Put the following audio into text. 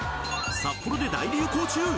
札幌で大流行中！